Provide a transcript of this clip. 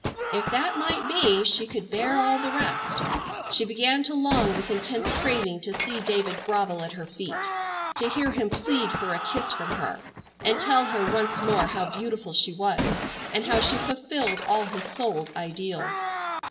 If that might be she could bear all the rest. She began to long with intense craving to see David grovel at her feet, to hear him plead for a kiss from her, and tell her once more how beautiful she was, and how she fulfilled all his soul's ideals.